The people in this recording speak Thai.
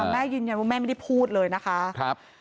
แม่ยืนยันว่าแม่ไม่ได้พูดเลยนะคะ